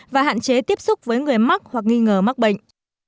và hạn chế tiếp xúc với người mắc hoặc nghi ngờ mắc bệnh